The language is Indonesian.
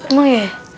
emang ya ya